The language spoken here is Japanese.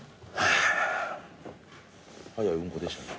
早いうんこでしたね？